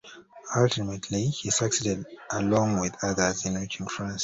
Ultimately he succeeded along with others in reaching France.